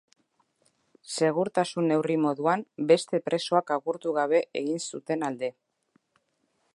Segurtasun-neurri moduan beste presoak agurtu gabe egin zuten alde.